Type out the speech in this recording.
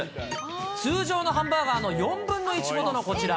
通常のハンバーガーの４分の１ほどのこちら。